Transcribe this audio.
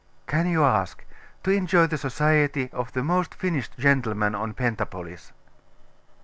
'Can you ask? To enjoy the society of the most finished gentleman of Pentapolis.